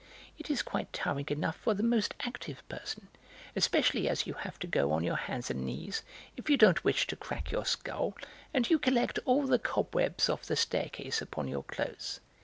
It is quite tiring enough for the most active person, especially as you have to go on your hands and knees, if you don't wish to crack your skull, and you collect all the cobwebs off the staircase upon your clothes.